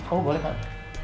oh boleh pak